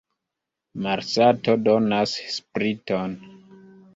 Malsato donas spriton.